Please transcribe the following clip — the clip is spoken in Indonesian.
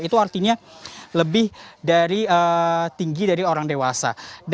itu artinya lebih dari tinggi dari orang dewasa